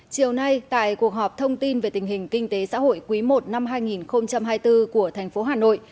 chiều nay tại cuộc họp thông tin về tình hình kinh tế xã hội quý i năm hai nghìn hai mươi bốn của thành phố hà nội